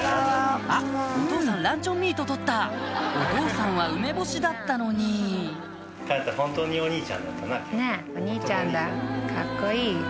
あっお父さんランチョンミート取ったお父さんは梅干しだったのにカッコいい。